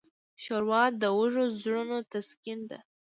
ښوروا د وږو زړونو تسکین ده.